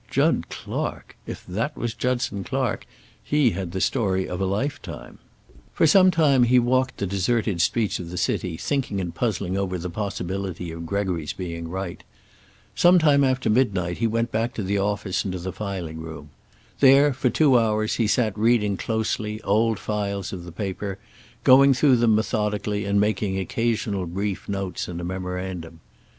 Jud Clark! If that was Judson Clark, he had the story of a lifetime. For some time he walked the deserted streets of the city, thinking and puzzling over the possibility of Gregory's being right. Sometime after midnight he went back to the office and to the filing room. There, for two hours, he sat reading closely old files of the paper, going through them methodically and making occasional brief notes in a memorandum.